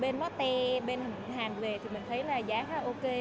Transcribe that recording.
bên lotte bên hàn về thì mình thấy là giá khá ok